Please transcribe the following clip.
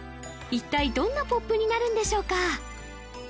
一体どんなポップになるんでしょうか？